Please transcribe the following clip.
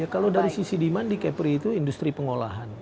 kalau dari sisi demand di kepri itu industri pengolahan